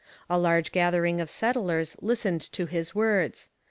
A large gathering of settlers listened to his words.